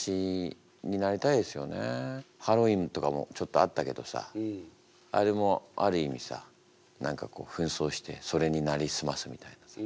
まあでももちょっとあったけどさあれもある意味さ何かこうふん装してそれになりすますみたいなさ。